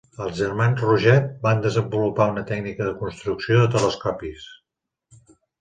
Els germans Roget van desenvolupar una tècnica de construcció de telescopis.